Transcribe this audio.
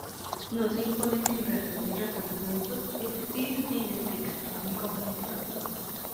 No se impone sin razón ni razonamientos, es decir, sin explicación ni comprensión.